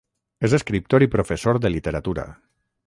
És escriptor i professor de literatura.